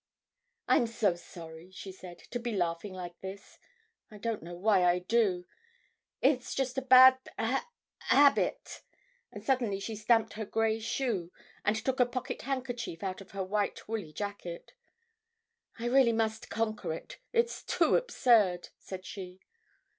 "I'm so sorry," she said, "to be laughing like this. I don't know why I do. It's just a bad ha habit." And suddenly she stamped her grey shoe, and took a pocket handkerchief out of her white woolly jacket. "I really must conquer it, it's too absurd," said she.